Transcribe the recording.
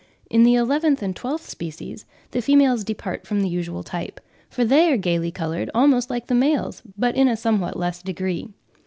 In the eleventh and twelfth species, the females depart from the usual type, for they are gaily decorated almost like the males, but in a somewhat less degree.